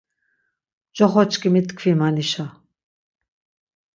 Coxoçkimi tkvi manişa!